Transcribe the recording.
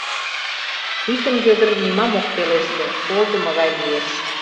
Тикын Вӧдыр нимам ок пелеште, колдымо гай лиеш.